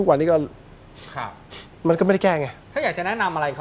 คราวมันก็ไม่ได้แก้ไง